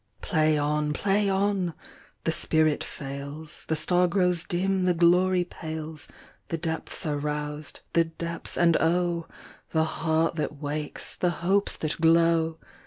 Play on! Play on! The spirit fails, The star grows dim, the glory pales, The depths are roused—the depths, and oh! The heart that wakes, the hopes that glow!